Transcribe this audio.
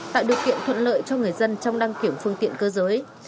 tạo điều kiện thuận lợi cho người dân trong đăng kiểm phương tiện cơ giới